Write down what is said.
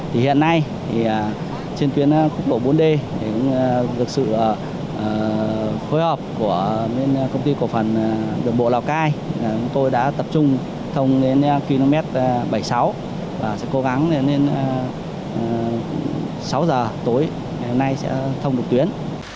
hiện nay trên tuyến khúc đổ bốn d được sự phối hợp của công ty cổ phần đường bộ lào cai tôi đã tập trung thông đến km bảy mươi sáu và sẽ cố gắng đến sáu h tối ngày hôm nay sẽ thông được tuyến